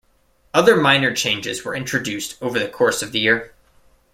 Other minor changes were introduced over the course of the year.